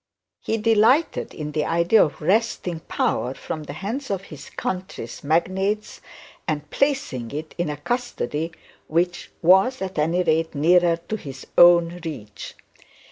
He delighted in the idea of wresting power from the hands of his country's magnates, and placing it in a custody which was at any rate nearer to his own reach.